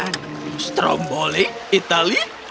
nanti saja saya bakal wells masukan